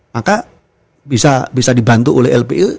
maka bisa dibantu oleh lpu